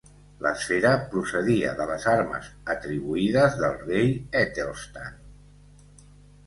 L'esfera procedia de les armes atribuïdes del rei Etelstan.